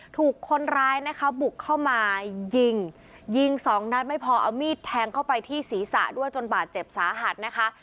ถูกคนร้ายนะคะบุกเข้ามายิงยิงสองนัดไม่พอเอามีดแทงเข้าไปที่ศีรษะด้วยจนบาดเจ็บสาหัสนะคะ